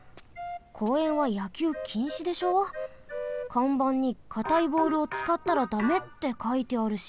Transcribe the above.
かんばんにかたいボールをつかったらだめってかいてあるし。